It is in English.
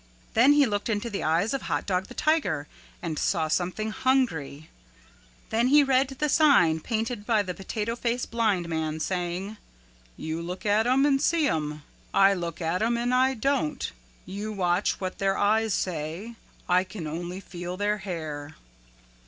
Then he looked into the eyes of Hot Dog the Tiger and saw something hungry. Then he read the sign painted by the Potato Face Blind Man saying, "You look at 'em and see 'em; I look at 'em and I don't. You watch what their eyes say; I can only feel their hair."